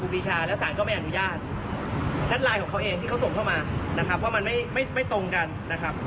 วันนี้ก็เลยส่งมอบไปสารแล้วเขายอมรับว่ามีการคุยแบบไหนกันนะครับ